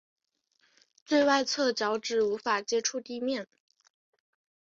最外侧脚趾无法接触地面。